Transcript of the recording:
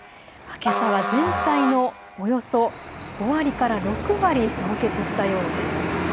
けさは全体のおよそ５割から６割凍結したようです。